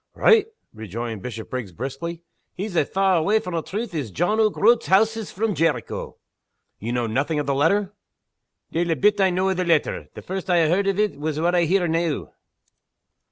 "Richt?" rejoined Bishopriggs, briskly. "He's as far awa' from the truth as John o' Groat's House is from Jericho." "You know nothing of the letter?" "Deil a bit I know o' the letter. The first I ha' heard o' it is what I hear noo."